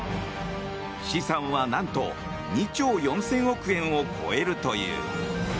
資産は何と２兆４０００億円を超えるという。